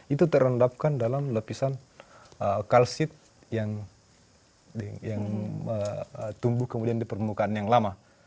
itu terendapkan dalam lapisan kalsit yang tumbuh kemudian di permukaan yang lama